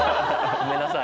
ごめんなさい。